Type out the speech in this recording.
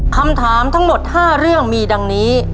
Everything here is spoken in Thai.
คำถามทั้งหมด๕เรื่องมีดังนี้